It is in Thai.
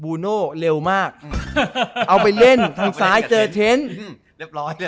ูโน่เร็วมากเอาไปเล่นทางซ้ายเจอเทนต์เรียบร้อย